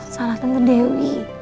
salah tante dewi